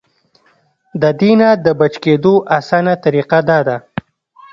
د دې نه د بچ کېدو اسانه طريقه دا ده -